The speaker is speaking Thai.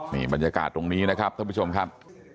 นี่บรรยากาศตรงนี้นะครับท่านผู้ชมครับ